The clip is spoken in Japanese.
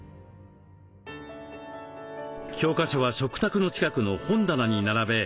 教科書は食卓の近くの本棚に並べ